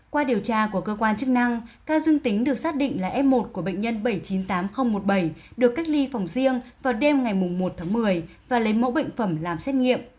qua điều tra của cơ quan chức năng ca dương tính được xác định là f một của bệnh nhân bảy trăm chín mươi tám nghìn một mươi bảy được cách ly phòng riêng vào đêm ngày một tháng một mươi và lấy mẫu bệnh phẩm làm xét nghiệm